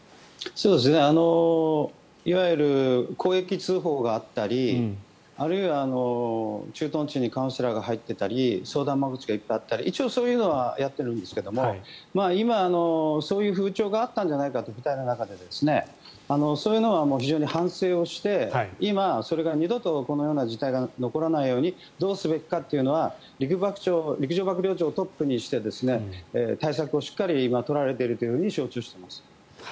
いわゆる公益通報があったりあるいは、駐屯地にカウンセラーが入っていたり相談窓口がいっぱいあったり一応そういうのはやっているんですが今、そういう風潮があったんじゃないかと部隊の中でそういうのは反省して今、それが二度とこのような事態が起こらないようにどうすべきかっていうのは陸上幕僚長をトップにして対策をしっかり今取られていると承知しています。